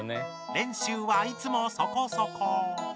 練習はいつもそこそこ。